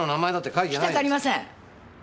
聞きたくありません！